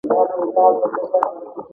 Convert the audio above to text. لویو پانګوالو ډېر توکي تولیدول